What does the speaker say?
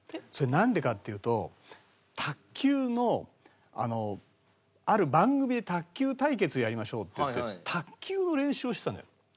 それなんでかっていうと卓球のある番組で卓球対決やりましょうっていって卓球の練習をしてたのよ。